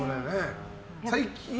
最近？